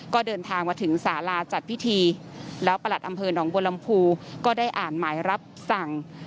ก็เดินทางมาถึงสาราจัดพิธีแล้วประหลัดอำเภอหนองบัวลำพูก็ได้อ่านหมายรับสั่ง